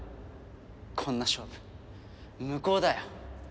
こんな勝負無効だよ。